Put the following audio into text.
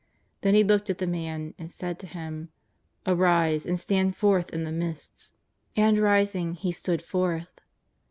Then He looked at the man and said to him: "Arise, and stand forth in the midst." And rising, he stood forth.